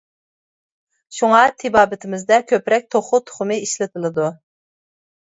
شۇڭا تېبابىتىمىزدە كۆپرەك توخۇ تۇخۇمى ئىشلىتىلىدۇ.